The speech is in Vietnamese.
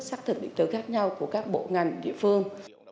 xác thực điện tử khác nhau của các bộ ngành địa phương